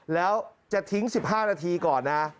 แล้วจะทิ้ง๑๕นาทีก่อนนะ